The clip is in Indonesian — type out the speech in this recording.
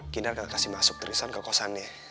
kinar ga kasih masuk tristan ke kawasannya